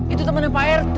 itu temannya pak rt